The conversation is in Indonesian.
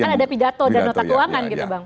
kan ada pidato dan notak uangan gitu bang